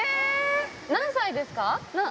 何歳ですか？